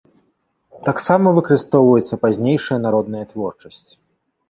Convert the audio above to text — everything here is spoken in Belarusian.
Таксама выкарыстоўваецца пазнейшая народная творчасць.